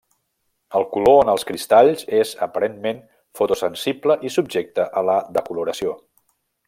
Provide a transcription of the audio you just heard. El color en els cristalls és aparentment fotosensible i subjecte a la decoloració.